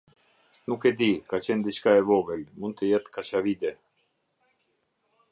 Nuk e di ka qenë diçka e vogël mund të jetë kaqavide.